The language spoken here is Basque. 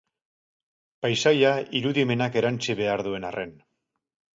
Paisaia irudimenak erantsi behar duen arren.